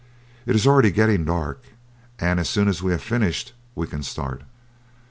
It is already getting dark, and as soon as we have finished we can start."